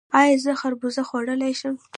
ایا زه خربوزه خوړلی شم؟